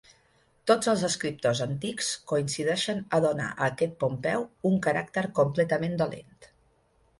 Tots els escriptors antics coincideixen a donar a aquest Pompeu un caràcter completament dolent.